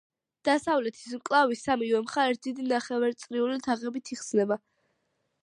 დასავლეთის მკლავი სამივე მხარეს დიდი ნახევარწრიული თაღებით იხსნება.